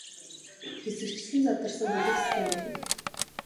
Хэсэгчлэн задарсан бүлэг систем болно.